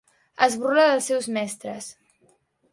Es burla dels seus mestres.